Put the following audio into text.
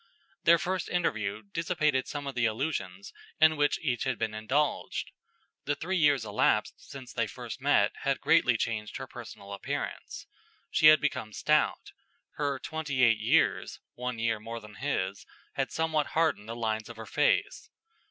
Their first interview dissipated some of the illusions in which each had indulged. The three years elapsed since they first met had greatly changed her personal appearance. She had become stout; her twenty eight years (one year more than his) had somewhat hardened the lines of her face.